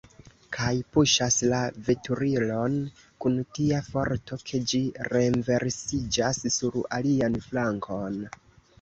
kaj puŝas la veturilon kun tia forto, ke ĝi renversiĝas sur alian flankon.